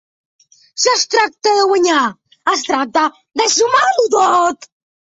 Si es tracta de guanyar, es tracta de sumar-ho tot.